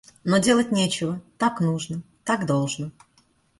Но, делать нечего, так нужно, так должно.